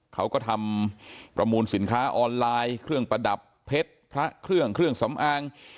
เขาก็ทำประมูลสินค้าออนไลน์เครื่องประดับเพชรพระเครื่องเครื่องสำอาง